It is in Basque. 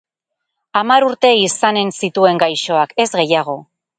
Hamar urte izanen zituen gaixoak, ez gehiago.